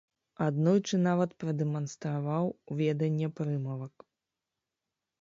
Аднойчы нават прадэманстраваў веданне прымавак.